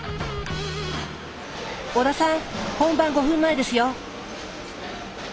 織田さん本番５分前ですよ。